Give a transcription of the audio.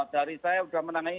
dari saya sudah menangani